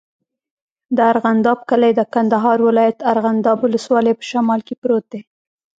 د ارغنداب کلی د کندهار ولایت، ارغنداب ولسوالي په شمال کې پروت دی.